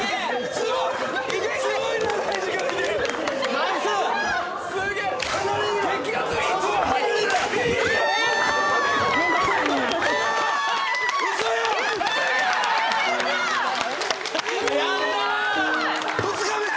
すごーい！